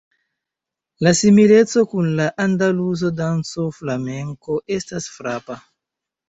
La simileco kun la andaluza danco Flamenko estas frapa.